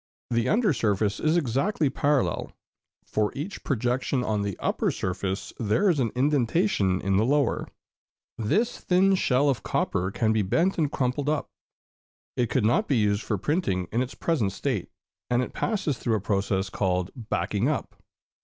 The under surface is exactly parallel; for each projection on the upper surface there is an indentation in the lower. [Illustration: The "Guillotine."] This thin shell of copper can be bent and crumpled up; it could not be used for printing in its present state, and it passes through a process called "backing up."